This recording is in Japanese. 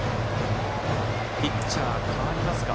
ピッチャー、代わりますか。